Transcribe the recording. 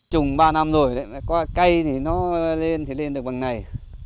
trồng ba năm rồi cây nó lên thì lên được bằng này